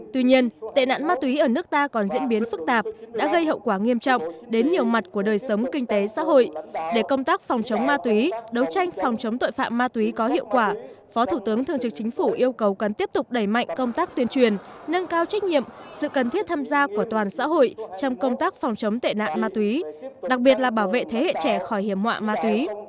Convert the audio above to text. tuy nhiên tệ nạn ma túy ở nước ta còn diễn biến phức tạp đã gây hậu quả nghiêm trọng đến nhiều mặt của đời sống kinh tế xã hội để công tác phòng chống ma túy đấu tranh phòng chống tội phạm ma túy có hiệu quả phó thủ tướng thường trực chính phủ yêu cầu cần tiếp tục đẩy mạnh công tác tuyên truyền nâng cao trách nhiệm sự cần thiết tham gia của toàn xã hội trong công tác phòng chống tệ nạn ma túy đặc biệt là bảo vệ thế hệ trẻ khỏi hiểm mọa ma túy